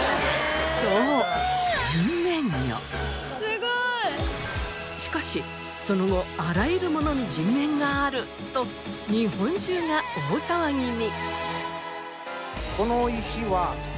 そうしかしその後あらゆるものに人面があると日本中が大騒ぎに。